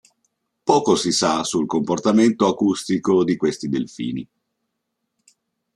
Poco si sa sul comportamento acustico di questi delfini.